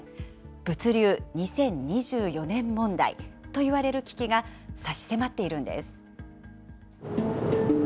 物流２０２４年問題といわれる危機が差し迫っているんです。